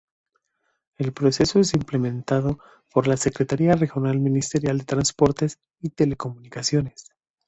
El proceso es implementado por la Secretaría Regional Ministerial de Transportes y Telecomunicaciones.